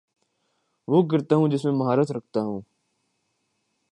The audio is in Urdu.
وہ کرتا ہوں جس میں مہارت رکھتا ہو